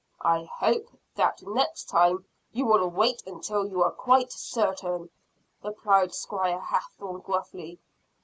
"I hope that next time you will wait until you are quite certain," replied Squire Hathorne gruffly.